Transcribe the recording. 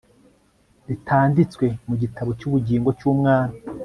ritanditswe mu gitabo cy ubugingo cy umwana